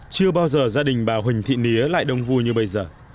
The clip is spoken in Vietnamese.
chưa bao giờ gia đình bà huỳnh thị nía lại đông vui như bây giờ